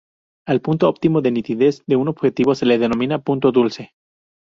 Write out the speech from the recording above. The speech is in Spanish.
Al punto óptimo de nitidez de un objetivo se le denomina "punto dulce".